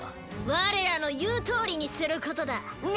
我らの言うとおりにすることだ！